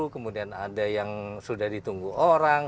kemudian ada yang sudah ditunggu orang